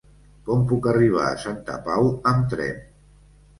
Com puc arribar a Santa Pau amb tren?